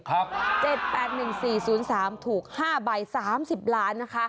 ๗๘๑๔๐๓ถูก๕ใบ๓๐ล้านนะคะ